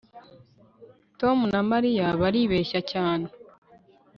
tom na mariya baribeshya cyane